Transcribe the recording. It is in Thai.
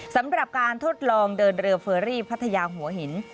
สำหรับการทดลองเดินเรือเฟอรี่พัทยาหัวหิน